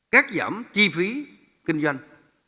cắt giảm chi phí kinh doanh